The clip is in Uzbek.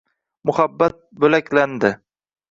Muhabbat bo’laklandi.